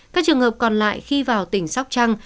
các trường hợp còn lại khi vào tỉnh sóc trăng